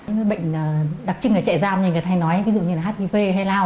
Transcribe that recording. những bệnh đặc trưng ở trại giam như thầy nói ví dụ như là hiv hay lao